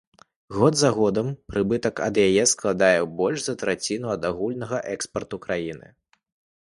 Год за годам прыбытак ад яе складае больш за траціну ад агульнага экспарту краіны.